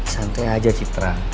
santai aja citra